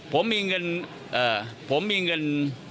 ผมมีเงินผมมีเงิน